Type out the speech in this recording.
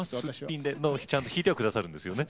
でもちゃんと弾いては下さるんですよね。